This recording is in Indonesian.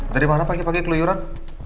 dari mana pagi pagi keluyuran